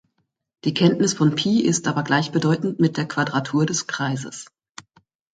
Die Kenntnis von Pi ist aber gleichbedeutend mit der Quadratur des Kreises.